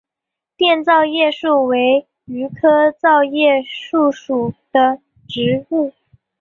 滇糙叶树为榆科糙叶树属的植物。